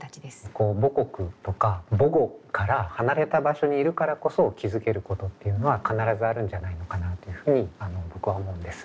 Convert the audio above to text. こう母国とか母語から離れた場所にいるからこそ気付けることっていうのは必ずあるんじゃないのかなっていうふうに僕は思うんです。